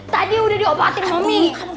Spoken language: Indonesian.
tadi udah diobatin momi